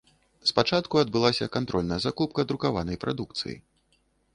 Спачатку адбылася кантрольная закупка друкаванай прадукцыі.